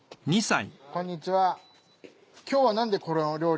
こんにちは。